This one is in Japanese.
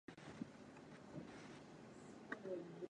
韓国でチマチョゴリを着たい